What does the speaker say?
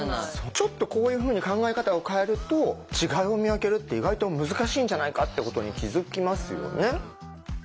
ちょっとこういうふうに考え方を変えると違いを見分けるって意外と難しいんじゃないかってことに気づきますよね。